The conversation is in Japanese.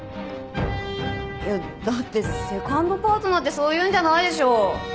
だってセカンドパートナーってそういうんじゃないでしょ？